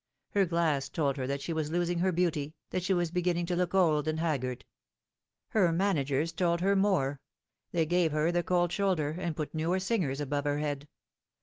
Her glass told her that she was losing her beauty, that she was beginning to look old and haggard. Her managers told her more. They gave her the cold shoulder, and put newer singers above her head.